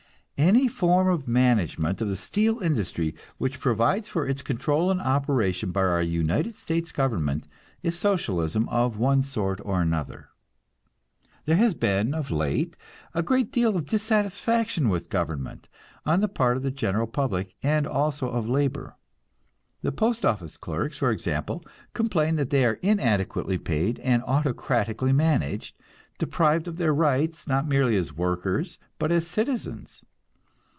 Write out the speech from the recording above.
Any form of management of the steel industry which provides for its control and operation by our United States government is Socialism of one sort or another. There has been, of late, a great deal of dissatisfaction with government, on the part of the general public, and also of labor. The postoffice clerks, for example, complain that they are inadequately paid and autocratically managed, deprived of their rights not merely as workers but as citizens.